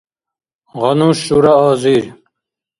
гъану шура азир